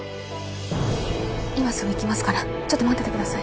今すぐ行きますからちょっと待っててください